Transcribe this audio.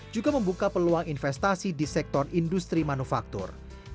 juga membuka peluang investasi di sektor industri manufaktur